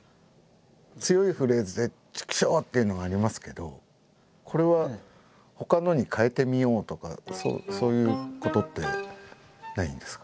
強いフレーズで「チクショー！！」っていうのがありますけどこれはほかのに変えてみようとかそういうことってないんですか？